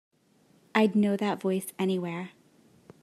I'd know that voice anywhere.